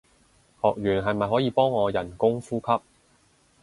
學完係咪可以幫我人工呼吸